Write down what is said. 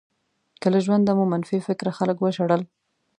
که له ژونده مو منفي فکره خلک وشړل.